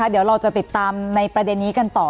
เดี๋ยวเราจะติดตามในประเด็นนี้กันต่อ